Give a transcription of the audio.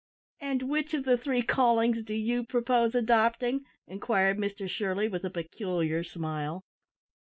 "And which of the three callings do you propose adopting?" inquired Mr Shirley, with a peculiar smile.